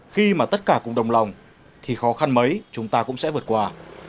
khi mà tất cả cùng đồng lòng thì khó khăn mấy chúng ta cũng sẽ vượt qua